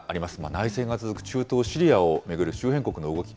内戦が続く中東シリアの巡る周辺国の動き。